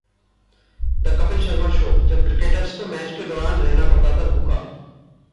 the Kapil Sharma show: जब cricketers को match के दौरान रहना पड़ता था भूखा